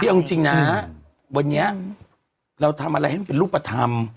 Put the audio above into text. เอาจริงนะวันนี้เราทำอะไรให้มันเป็นรูปธรรม